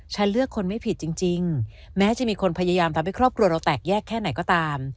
เลือกคนไม่ผิดจริงแม้จะมีคนพยายามทำให้ครอบครัวเราแตกแยกแค่ไหนก็ตาม